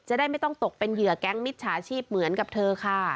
จะได้ไม่ต้องตกเป็นเหยื่อแก๊งมิจฉาชีพเหมือนกับเธอค่ะ